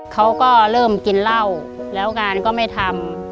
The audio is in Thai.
เขาก็เริ่มกินเหล้าแล้วงานก็ไม่ทำ